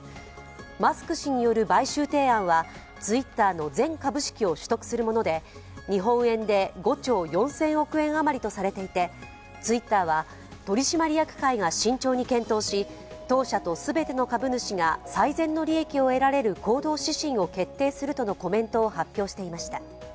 マスク氏による買収提案はＴｗｉｔｔｅｒの全株式を取得するもので日本円で５兆４０００億円あまりとされていて、Ｔｗｉｔｔｅｒは取締役会が慎重に検討し当社と全ての株主が最善の利益を得られる行動指針を決定するとのコメントを発表していました。